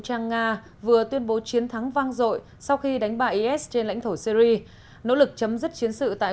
trang nga vừa tuyên bố chiến thắng vang dội sau khi đánh bại is trên lãnh thổ syri nỗ lực chấm